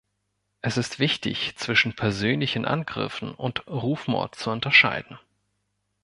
Es ist wichtig, zwischen persönlichen Angriffen und Rufmord zu unterscheiden.